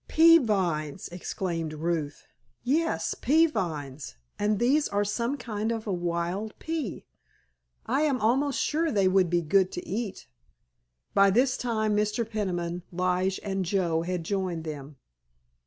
"Pea vines!" exclaimed Ruth. "Yes, pea vines! and these are some kind of a wild pea. I am almost sure they would be good to eat." By this time Mr. Peniman, Lige and Joe had joined them.